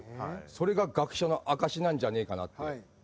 それが学者の証なんじゃねえかなって思ったんです。